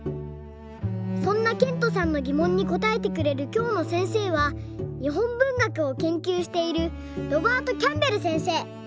そんなけんとさんのぎもんにこたえてくれるきょうのせんせいは日本文学を研究しているロバート・キャンベルせんせい。